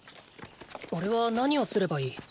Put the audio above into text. おれは何をすればいい？